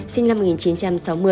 sinh năm một nghìn chín trăm sáu mươi